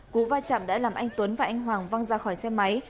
cú va chạm đã làm anh tuấn và anh hoàng văng ra khỏi xe máy